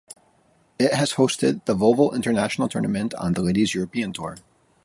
It has hosted the Volvo International Tournament on the Ladies European Tour.